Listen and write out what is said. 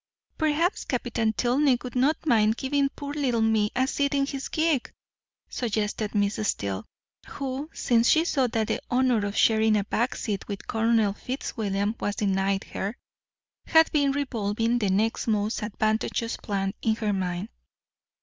"Perhaps Captain Tilney would not mind giving poor little me a seat in his gig," suggested Miss Steele, who, since she saw that the honour of sharing a back seat with Colonel Fitzwilliam was denied her, had been revolving the next most advantageous plan in her mind.